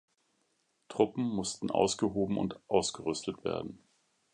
Truppen mussten ausgehoben und ausgerüstet werden.